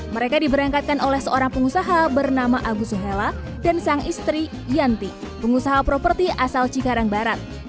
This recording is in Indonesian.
mereka diberangkatkan oleh seorang pengusaha bernama agus suhela dan sang istri yanti pengusaha properti asal cikarang barat